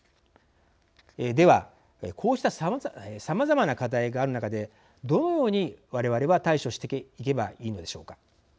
では、こうしたさまざまな課題がある中でどのように我々は対処していけばいいのでしょうか。